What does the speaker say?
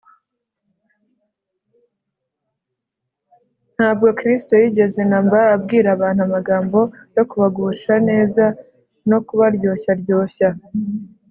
ntabwo kristo yigeze na mba abwira abantu amagambo yo kubagusha neza no kubaryoshyaryoshya